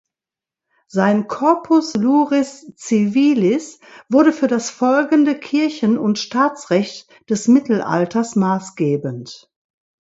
Sein Corpus Iuris Civilis wurde für das folgende Kirchen- und Staatsrecht des Mittelalters maßgebend.